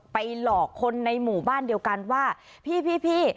หลอกคนในหมู่บ้านเดียวกันว่าพี่